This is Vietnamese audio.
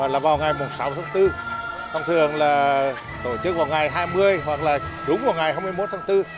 là vào ngày sáu tháng bốn thông thường là tổ chức vào ngày hai mươi hoặc là đúng vào ngày hai mươi một tháng bốn